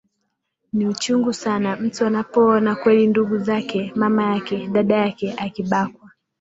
ni uchungu sana mtu anapoona kweli ndugu zake mama yake dada yake akibakwa